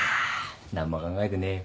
何も考えてねえよ。